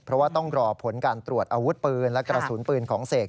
เพราะว่าต้องรอผลการตรวจอาวุธปืนและกระสุนปืนของเสก